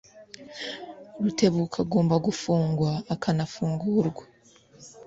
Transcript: Rutebuka agomba gufungwa akana fungurwa.